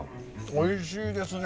おいしいですね。